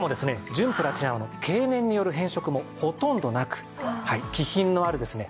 純プラチナは経年による変色もほとんどなく気品のあるですね